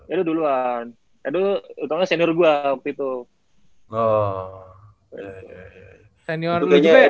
edo duluan edo utamanya senior gue waktu itu